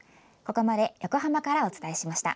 ここまで横浜からお伝えしました。